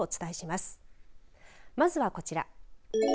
まずは、こちら。